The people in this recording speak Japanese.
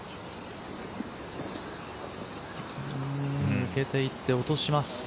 抜けていって落とします。